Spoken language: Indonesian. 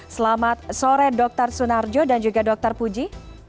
selamat sore dr sunarjo dan juga dr puji